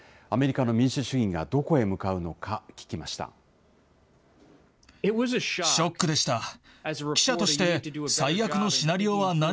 アメリカの民主主義がどこへ向かうのか聞きました。